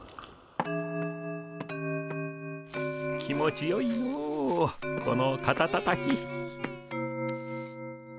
気持ちよいのこの肩たたき。